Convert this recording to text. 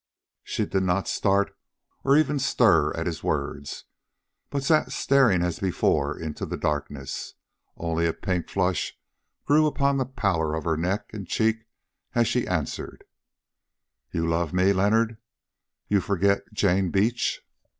She did not start or even stir at his words, but sat staring as before into the darkness: only a pink flush grew upon the pallor of her neck and cheek as she answered: "You love me, Leonard? You forget—Jane Beach!"